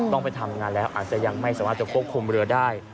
ต้องไปทำงานแล้วอาจจะยังไม่สามารถจะควบคุมเรือได้